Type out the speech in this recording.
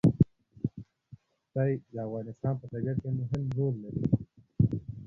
ښتې د افغانستان په طبیعت کې مهم رول لري.